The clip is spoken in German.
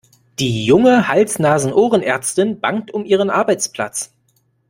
Die junge Hals-Nasen-Ohren-Ärztin bangt um ihren Arbeitsplatz.